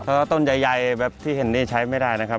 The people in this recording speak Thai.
แล้วก็ต้นใหญ่แบบที่เห็นนี่ใช้ไม่ได้นะครับ